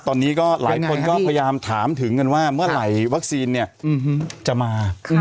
ตอนนี้ก็หลายคนก็พยายามถามถึงกันว่าเมื่อไหร่วัคซีนจะมา